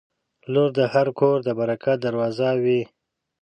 • لور د هر کور د برکت دروازه وي.